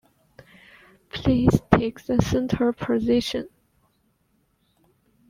Please take the centre position.